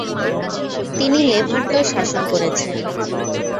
তিনি লেভান্টও শাসন করেছেন।